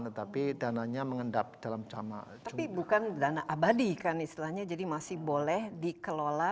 tetapi dananya mengendap dalam cama tapi bukan dana abadi kan istilahnya jadi masih boleh dikelola